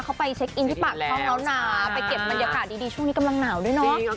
เอาไปตัวเดียว